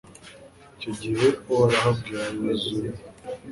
icyo gihe uhoraho abwira yozuwe